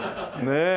ねえ。